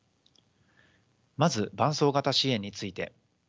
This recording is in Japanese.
まず伴走型支援について。